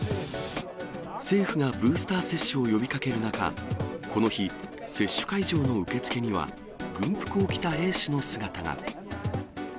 政府がブースター接種を呼びかける中、この日、接種会場の受付には、軍服を着た兵士の姿が。